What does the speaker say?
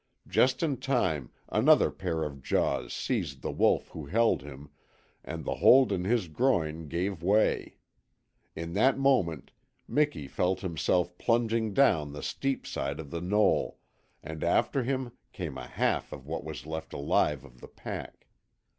Just in time another pair of jaws seized the wolf who held him, and the hold in his groin gave way. In that moment Miki felt himself plunging down the steep side of the knoll, and after him came a half of what was left alive of the pack.